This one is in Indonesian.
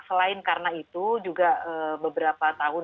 selain karena itu juga beberapa tahun